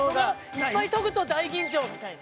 いっぱいとぐと大吟醸みたいな。